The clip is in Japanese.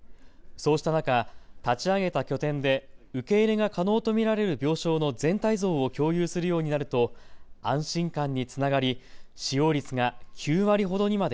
そうした中、立ち上げた拠点で受け入れが可能と見られる病床の全体像を共有するようになると安心感につながり使用率が９割ほどにまで